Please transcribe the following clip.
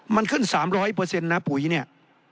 มันขึ้น๓๐๐นะปุ๋ยเนี่ย